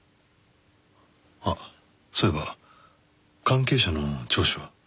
あっそういえば関係者の聴取は？